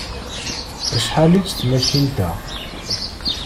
Acḥal-itt tmacint-a?